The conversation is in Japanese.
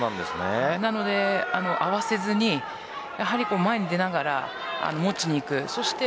なので、合わせずに前に出ながら持ちにいく。